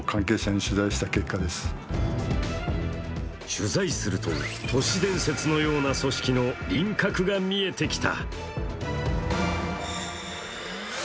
取材すると、都市伝説のような組織の輪郭が見えてきた。